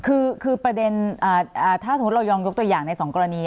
คือคือประเด็นอ่าอ่าถ้าสมมติเรายองยกตัวอย่างในสองกรณี